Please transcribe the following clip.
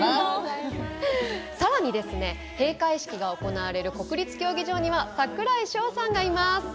さらに閉会式が行われる国立競技場には櫻井翔さんがいます。